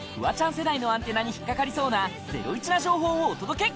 世代のアンテナに引っかかりそうなゼロイチな情報をお届け！